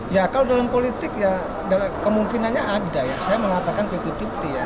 ya kalau dalam politik ya kemungkinannya ada saya mengatakan putih putih ya